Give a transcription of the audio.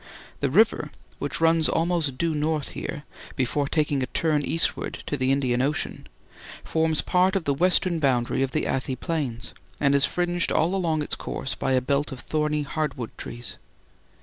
The river which runs almost due north here, before taking a turn eastward to the Indian Ocean forms part of the western boundary of the Athi Plains, and is fringed all along its course by a belt of thorny hardwood trees.